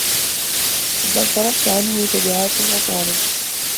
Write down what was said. إذَا انْصَرَفَتْ عَنْهُ تَبِعَاتُ الْمَطَالِبِ